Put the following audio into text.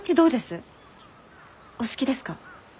お好きですか？